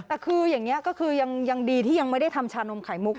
แต่คืออย่างนี้ก็คือยังดีที่ยังไม่ได้ทำชานมไข่มุก